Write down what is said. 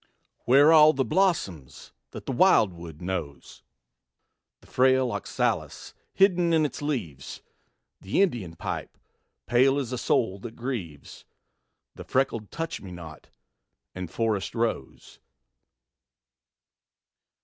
Where all the blossoms that the wildwood knows? The frail oxalis hidden in its leaves; The Indian pipe, pale as a soul that grieves; The freckled touch me not and forest rose.